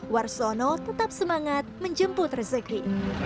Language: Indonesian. warsono tetap semangat menjemput rezeki